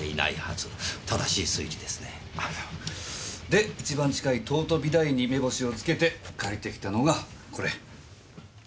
で一番近い東都美大に目星をつけて借りてきたのがこれ。